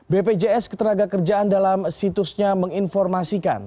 bpjs ketenaga kerjaan dalam situsnya menginformasikan